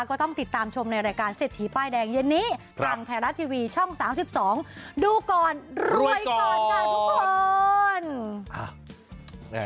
ก็ต้องติดตามชมในรายการเศรษฐีป้ายแดงเย็นนี้ทางไทยรัฐทีวีช่อง๓๒ดูก่อนรวยก่อนค่ะทุกคน